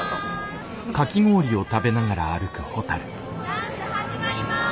ダンス始まります！